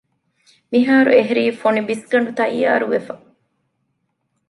މިހާރު އެހެރީ ފޮނި ބިސްގަނޑު ތައްޔާރުވެފަ